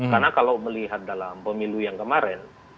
karena kalau melihat dalam pemilu yang kemarin